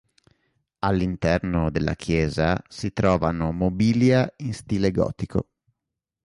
All'interno della chiesa, si trovano mobilia in stile gotico.